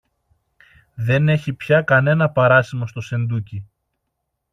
Δεν έχει πια κανένα παράσημο στο σεντούκι